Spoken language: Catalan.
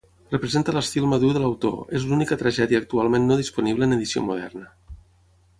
Representa l'estil madur de l'autor, és l'única tragèdia actualment no disponible en edició moderna.